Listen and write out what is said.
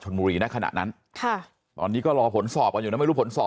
ชนมุรีนะขณะนั้นค่ะตอนนี้ก็รอผลสอบอยู่แล้วไม่รู้ผลสอบ